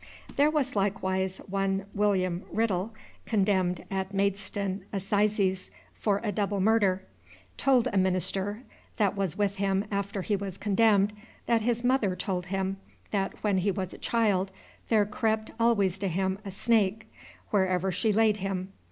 There was likewise one "William Writtle, condemned at Maidston Assizes for a double murder, told a Minister that was with him after he was condemned, that his mother told him, that when he was a Child, there crept always to him a Snake, wherever she laid him.